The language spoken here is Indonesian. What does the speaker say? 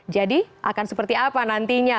jadi akan seperti apa nantinya